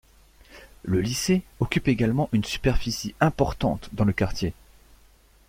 Le lycée occupe également une superficie importante dans le quartier.